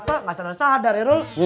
ternyata gak sadar sadar ya rul